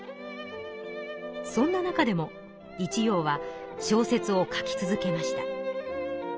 そんな中でも一葉は小説を書き続けました。